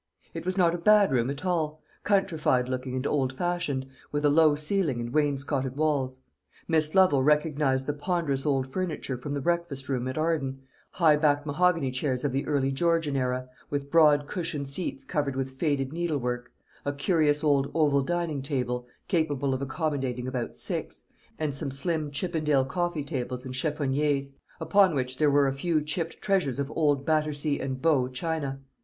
It was not a bad room at all: countrified looking and old fashioned, with a low ceiling and wainscoted walls. Miss Lovel recognised the ponderous old furniture from the breakfast room at Arden high backed mahogany chairs of the early Georgian era, with broad cushioned seats covered with faded needlework; a curious old oval dining table, capable of accommodating about six; and some slim Chippendale coffee tables and cheffoniers, upon which there were a few chipped treasures of old Battersea and Bow china.